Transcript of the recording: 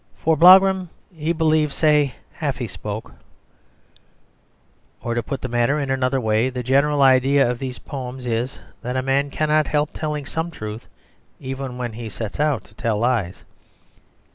"For Blougram, he believed, say, half he spoke." Or, to put the matter in another way, the general idea of these poems is, that a man cannot help telling some truth even when he sets out to tell lies.